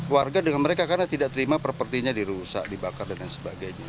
warga dengan mereka karena tidak terima propertinya dirusak dibakar dan lain sebagainya